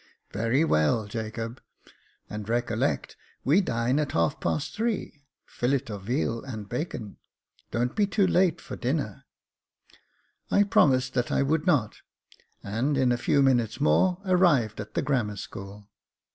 "Very well, Jacob j and recollect we dine at half past three — fillet of veal and bacon — don't be too late for dinner." I promised that I would not, and, in a few minutes more, arrived at the Grammar School.